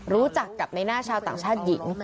รู้จักกับในหน้าชาวต่างชาติหญิง